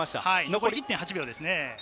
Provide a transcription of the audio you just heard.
残り１．８秒です。